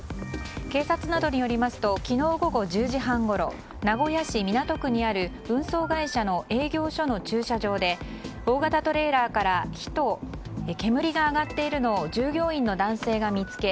警察などによりますと昨日午後１０時半ごろ名古屋市港区にある運送会社の営業所の駐車場で大型トレーラーから火と煙が上がっているのを従業員の男性が見つけ